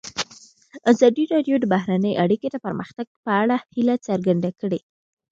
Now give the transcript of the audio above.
ازادي راډیو د بهرنۍ اړیکې د پرمختګ په اړه هیله څرګنده کړې.